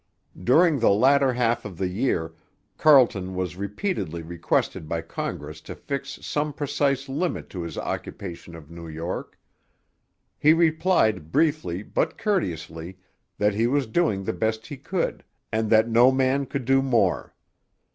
During the latter half of the year Carleton was repeatedly requested by Congress to fix some precise limit to his occupation of New York. He replied briefly, but courteously, that he was doing the best he could, and that no man could do more.